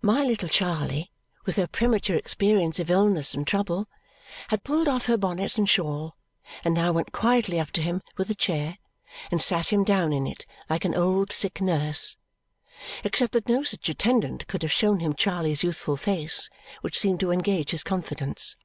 My little Charley, with her premature experience of illness and trouble, had pulled off her bonnet and shawl and now went quietly up to him with a chair and sat him down in it like an old sick nurse. Except that no such attendant could have shown him Charley's youthful face, which seemed to engage his confidence.